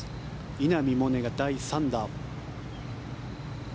稲見萌寧が第３打。